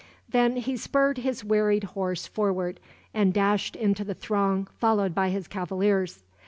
Then he spurred his wearied horse forward, and dashed into the throng, followed by his cavaliers.